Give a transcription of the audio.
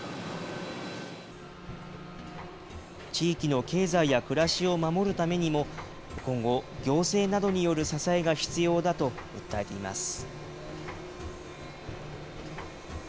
地域の経済や暮らしを守るためにも今後、行政などによる支えが必要だと訴えています。